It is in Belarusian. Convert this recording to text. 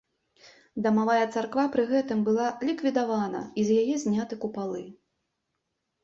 Дамавая царква пры гэтым была ліквідавана і з яе зняты купалы.